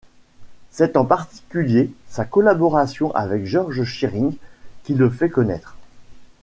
C'est en particulier sa collaboration avec George Shearing qui le fait connaître.